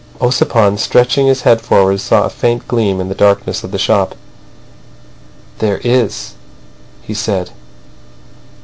Ossipon, stretching his head forward, saw a faint gleam in the darkness of the shop. "There is," he said.